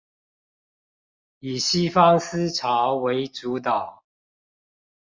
以西方思潮為主導